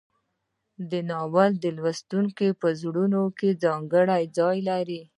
دا ناول د لوستونکو په زړونو کې ځانګړی ځای لري.